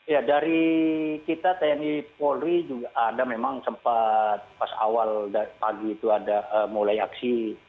ya dari kita tni polri juga ada memang sempat pas awal pagi itu ada mulai aksi